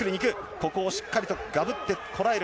ここをしっかりとがぶってこらえる。